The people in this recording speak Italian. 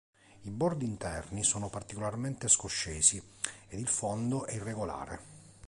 I bordi interni sono particolarmente scoscesi ed il fondo è irregolare.